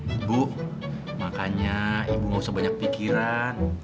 ibu makanya ibu gak usah banyak pikiran